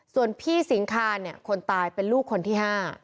ส่วนพี่สิงคารคนตายเป็นลูกคนที่๕